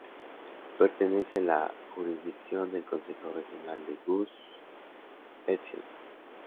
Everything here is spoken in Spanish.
Pertenece a la jurisdicción del Consejo Regional de Gush Etzion.